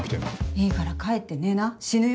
いいから帰って寝な死ぬよ。